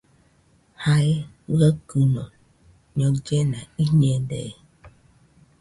Jae jɨaɨkɨno ñaɨllena iñede.